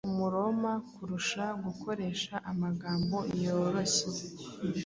Umuroma kurusha gukoresha amagambo yoroshye,